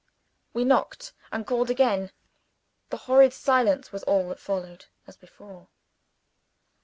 We knocked, and called again. The horrid silence was all that followed as before.